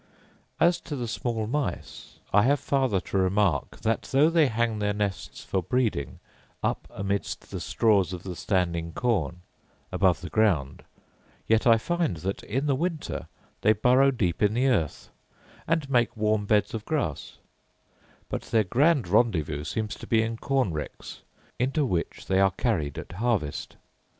As to the small mice, I have farther to remark, that though they hang their nests for breeding up amidst the straws of the standing corn, above the ground; yet I find that, in the winter, they burrow deep in the earth, and make warm beds of grass: but their grand rendezvous seems to be in corn ricks, into which they are carried at harvest.